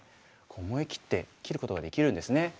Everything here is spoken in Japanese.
思い切って切ることができるんですね。